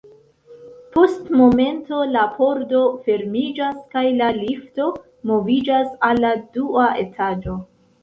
Post momento la pordo fermiĝas kaj la lifto moviĝas al la dua etaĝo.